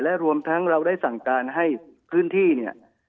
และรวมทั้งเราได้สั่งการให้พื้นที่เนี่ย